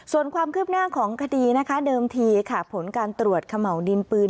ส่วนความคืบหน้าของคดีนะคะเดิมทีค่ะผลการตรวจเขม่าวดินปืน